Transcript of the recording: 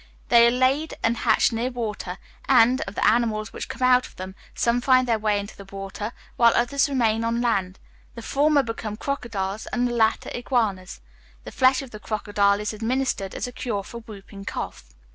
They are laid and hatched near water, and, of the animals which come out of them, some find their way into the water, while others remain on land. The former become crocodiles, and the latter "iguanas." The flesh of the crocodile is administered as a cure for whooping cough.